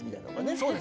そうですね。